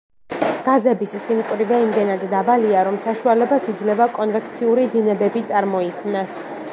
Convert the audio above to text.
გაზების სიმკვრივე იმდენად დაბალია, რომ საშუალებას იძლევა კონვექციური დინებები წარმოიქმნას.